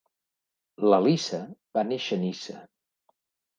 La Lisa va néixer a Niça.